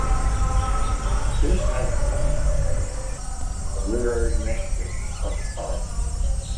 This had an electrifying effect on the literary landscape of the time.